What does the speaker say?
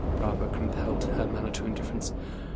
Barbara compelled her manner to indifference.